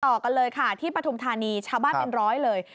ต่อกันเลยค่ะที่ปฐุมธานีชาวบ้านเป็นร้อยเลย